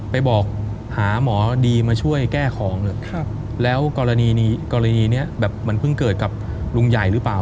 ไปบอกหาหมอดีมาช่วยแก้ของเลยแล้วกรณีนี้แบบมันเพิ่งเกิดกับลุงใหญ่หรือเปล่า